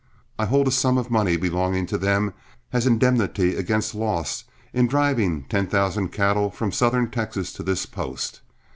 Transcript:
I hold a sum of money, belonging to them, as indemnity against loss in driving ten thousand cattle from Southern Texas to this post.